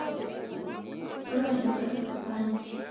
Wawenuka sa fwandi.